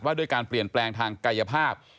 ด้วยการเปลี่ยนแปลงทางกายภาพ